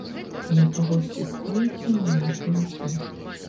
На каго сціскаюцца мае кулакі.